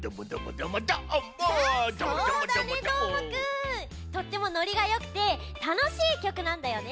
とってもノリがよくてたのしいきょくなんだよね！